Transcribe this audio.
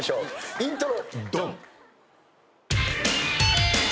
イントロ。